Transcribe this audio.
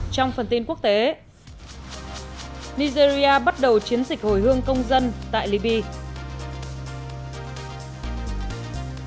trong phần tin quốc tế nigeria bắt đầu chiến dịch hồi hương công dân tại libya